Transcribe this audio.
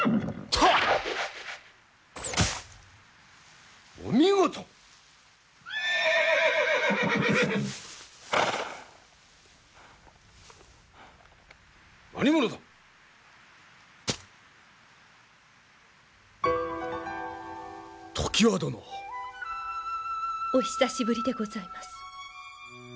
常磐殿！お久しぶりでございます。